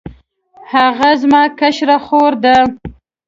هغه زما کشره خور ده